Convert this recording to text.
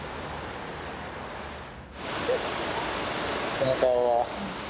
その顔は？